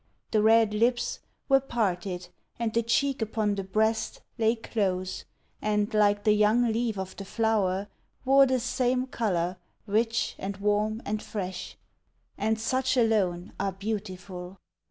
The red lips 26 POEMS OF HOME. Were parted, and the cbeek upon the breast Lay close, and, like the youug leaf of the flower, Wore the same color, rich and warm and fresh: — And such alone are beautiful.